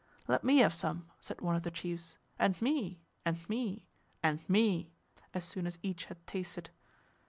"Let me have some," said one of the chiefs; "and me," "and me," "and me," as soon as each had tasted.